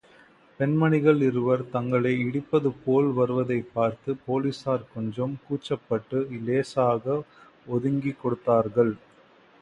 பெண்மணிகள் இருவர், தங்களை இடிப்பது போல் வருவதைப் பார்த்த போலீசார் கொஞ்சம் கூச்சப்பட்டு இலேசாக ஒதுங்கிக் கொடுத்தார்கள்.